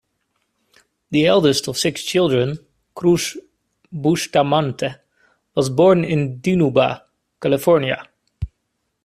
The eldest of six children, Cruz Bustamante was born in Dinuba, California.